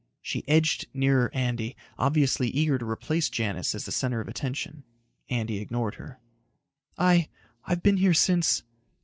She edged nearer Andy, obviously eager to replace Janis as the center of attention. Andy ignored her. "I ... I've been here since